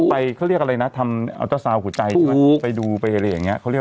ต้องไปเขาเรียกอะไรนะทำดูเวลาอะไร